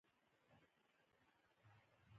دومره لوی او غښتلی قوم ولاړ وي.